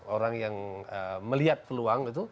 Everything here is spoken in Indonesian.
orang yang melihat peluang